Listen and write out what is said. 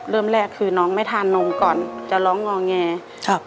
เริ่มแรกคือน้องไม่ทานนมก่อนจะร้องงอแงครับ